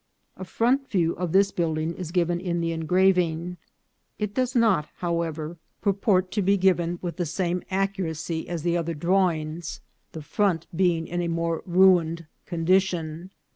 A front view of this building is given in the engra ving. It does not, however, purport to be given with 310 INCIDENTS OF TRAVEL. the same accuracy as the other drawings, the front be ing in a more ruined condition.